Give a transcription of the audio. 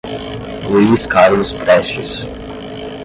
Luiz Carlos Prestes